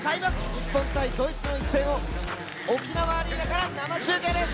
日本対ドイツの一戦を沖縄アリーナから生中継です！